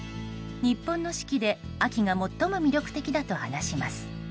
日本の四季で秋が最も魅力的だと話します。